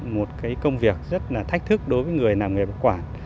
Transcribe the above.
một cái công việc rất là thách thức đối với người làm nghề bảo quản